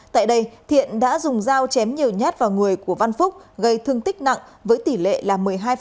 tại đây thiện đã dùng dao chém nhiều nhát vào người của văn phúc gây thương tích nặng với tỷ lệ là một mươi hai